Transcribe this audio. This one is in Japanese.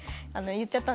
言っちゃった？